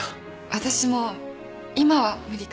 私も今は無理かな。